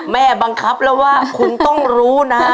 แม่บังคับแล้วว่าคุณต้องรู้นะ